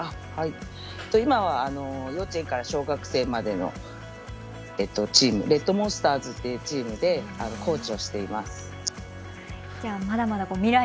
今は、幼稚園から小学生までのチームレッドモンスターズっていうチームでコーチをしています。